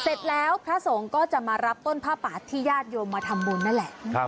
เสร็จแล้วพระสงฆ์ก็จะมารับต้นผ้าป่าที่ญาติโยมมาทำบุญนั่นแหละ